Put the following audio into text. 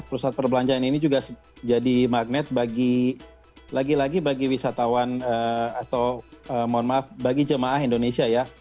pusat perbelanjaan ini juga jadi magnet bagi lagi lagi bagi wisatawan atau mohon maaf bagi jemaah indonesia ya